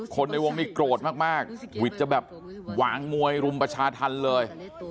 ในวงนี้โกรธมากวิทย์จะแบบหวางมวยรุมประชาธรรมเลย